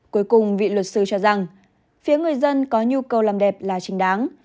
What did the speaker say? cuối cùng vị luật sư cho rằng phía người dân có nhu cầu làm đẹp là chính đáng